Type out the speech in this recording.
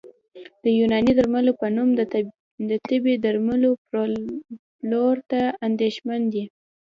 د یوناني درملو په نوم د طبي درملو پلور ته اندېښمن دي